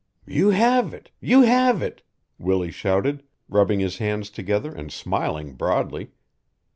"You have it! You have it!" Willie shouted, rubbing his hands together and smiling broadly.